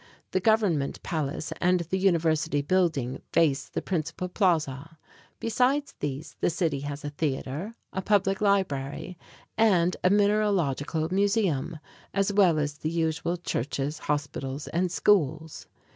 The government palace and the university building face the principal plaza. Besides these, the city has a theater, a public library and a mineralogical museum, as well as the usual churches, hospitals and schools.